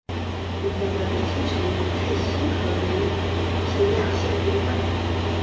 明代的北京城由大兴和宛平两县分管。